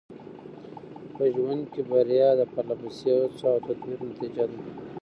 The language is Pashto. په ژوند کې بریا د پرله پسې هڅو او تدبیر نتیجه ده.